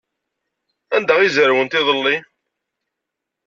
Anda ay zerwent iḍelli?